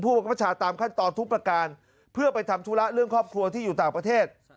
ประคับประชาตามขั้นตอนทุกประการเพื่อไปทำธุระเรื่องครอบครัวที่อยู่ต่างประเทศ